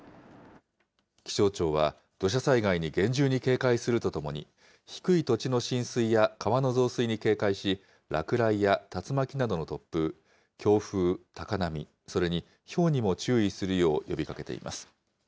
気象庁は、土砂災害に厳重に警戒するとともに、低い土地の浸水や川の増水に警戒し、落雷や竜巻などの突風、強風、高波、それにひょうにも注意するよう呼びかけています。